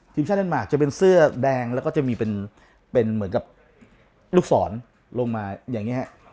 ทีมชาติเดนมาร์คจะเป็นเสื้อแดงแล้วก็จะมีเป็นเหมือนกับลูกศรลงมาอย่างนี้ฮะ